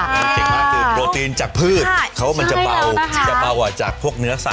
เก่งมากคือโปรตีนจากพืชเขามันจะเบาออกจากพวกเนื้อสัตว์